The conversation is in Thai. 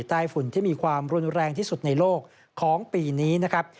ฝุ่นที่มีความรุนแรงที่สุดในโลกของปีนี้นะครับ